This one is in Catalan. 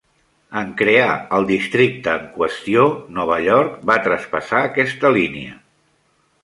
En crear el districte en qüestió, Nova York va traspassar aquesta línia.